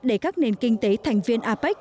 để các nền kinh tế thành viên apec